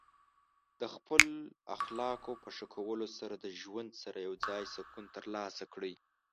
د خپل اخلاقو په ښه کولو سره د ژوند سره یوځای سکون ترلاسه کړئ.